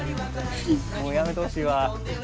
もうやめてほしいわあ。